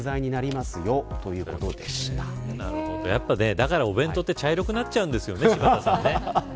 だからお弁当って茶色くなっちゃうんですよね